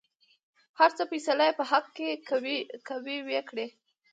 هر څه فيصله يې چې په حق کې کوۍ وېې کړۍ.